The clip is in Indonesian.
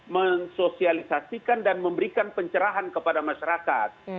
mensosialisasikan dan memberikan pencerahan kepada masyarakat